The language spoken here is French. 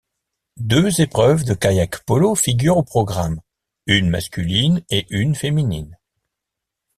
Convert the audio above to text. Deux épreuves de kayak-polo figurent au programme, une masculine et une féminine.